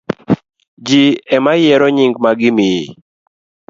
Ji ema yiero nying' ma gimiyi.